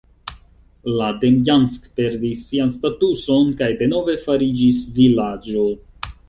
La Demjansk perdis sian statuson kaj denove fariĝis vilaĝo.